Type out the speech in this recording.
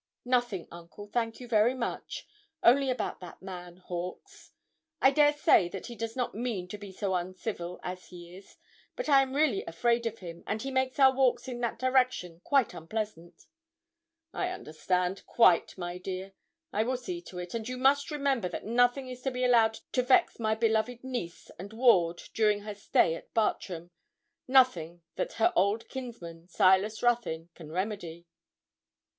'Nothing, uncle, thank you, very much, only about that man, Hawkes; I dare say that he does not mean to be so uncivil as he is, but I am really afraid of him, and he makes our walks in that direction quite unpleasant.' 'I understand quite, my dear. I will see to it; and you must remember that nothing is to be allowed to vex my beloved niece and ward during her stay at Bartram nothing that her old kinsman, Silas Ruthyn, can remedy.'